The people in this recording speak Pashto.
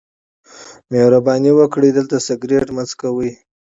مهرباني وکړئ دلته سیګار مه څکوئ.